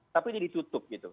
tapi ini ditutup